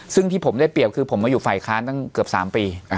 ซึ่งที่ผมได้เปรียบคือผมมาอยู่ฝ่ายค้านตั้งเกือบ๓ปี